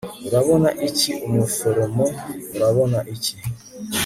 Urabona iki umuforomo urabona iki